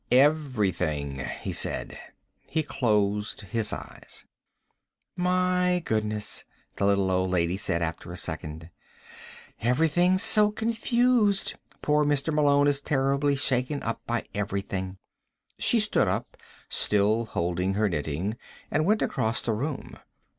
"Everything," he said. He closed his eyes. "My goodness," the little old lady said after a second. "Everything's so confused. Poor Mr. Malone is terribly shaken up by everything." She stood up, still holding her knitting, and went across the room.